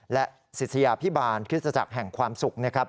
และศิษยาพิบาลคริสตจักรแห่งความสุขนะครับ